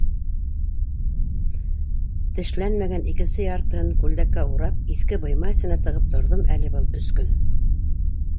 Тешләнмәгән икенсе яртыһын күлдәккә урап иҫке быйма эсенә тығып торҙом әле был өс көн.